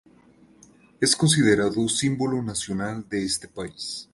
Es considerado símbolo nacional de este país.